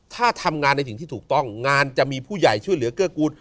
ถ้าทำงานในสิ่งที่ถูกต้องงานจะมีผู้ใหญ่ช่วยเหลือเกื้อกูล